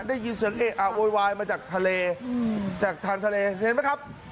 อ่าโวยวายมาจากทะเลจากทานทะเลเห็นไหมครับ